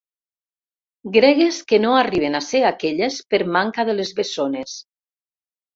Gregues que no arriben a ser aquelles per manca de les bessones.